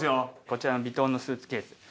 こちらのヴィトンのスーツケース。